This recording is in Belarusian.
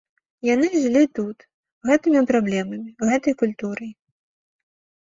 Яны жылі тут, гэтымі праблемамі, гэтай культурай.